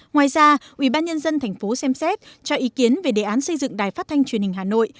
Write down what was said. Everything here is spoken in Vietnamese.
ngoài ra ubnd tp xem xét cho ý kiến về đề án xây dựng đài phát thanh truyền hình hà nội